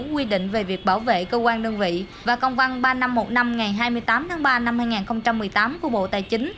quy định về việc bảo vệ cơ quan đơn vị và công văn ba nghìn năm trăm một mươi năm ngày hai mươi tám tháng ba năm hai nghìn một mươi tám của bộ tài chính